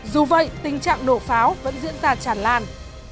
dù vậy tình trạng nổ pháo vẫn sẽ không thể dừng lại